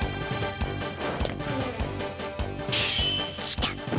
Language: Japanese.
来た！